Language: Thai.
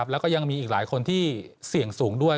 แล้วก็ยังมีอีกหลายคนที่เสี่ยงสูงด้วย